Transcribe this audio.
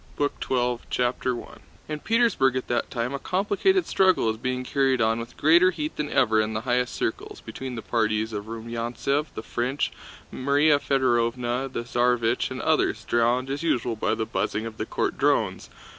BOOK TWELVE: 1812 CHAPTER I In Petersburg at that time a complicated struggle was being carried on with greater heat than ever in the highest circles, between the parties of Rumyántsev, the French, Márya Fëdorovna, the Tsarévich, and others, drowned as usual by the buzzing of the court drones.